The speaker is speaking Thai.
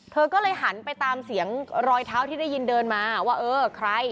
เธอก็เลยหันไปตามเสียงรอยเท้าที่ได้ยินเดินมาว่าเออใคร